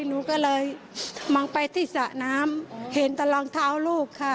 หนูก็เลยมองไปที่สระน้ำเห็นแต่รองเท้าลูกค่ะ